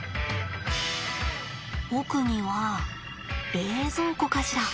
奧には冷蔵庫かしら。